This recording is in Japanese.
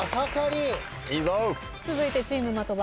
続いてチーム的場。